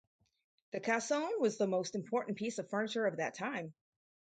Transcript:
The cassone was the most important piece of furniture of that time.